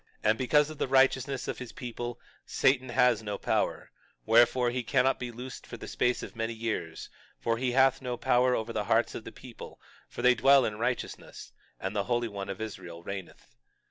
22:26 And because of the righteousness of his people, Satan has no power; wherefore, he cannot be loosed for the space of many years; for he hath no power over the hearts of the people, for they dwell in righteousness, and the Holy One of Israel reigneth.